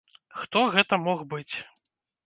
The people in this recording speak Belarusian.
Хто гэта мог быць?